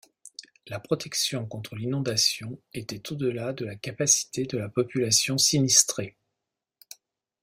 La protection contre l'inondation était au-delà de la capacité de la population sinistrée.